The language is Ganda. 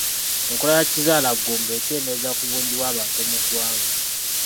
Enkola ya kizaalaggumba ekendeeza ku bungi bw'abantu mu ggwanga.